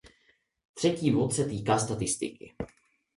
Třetí bod se týká statistiky.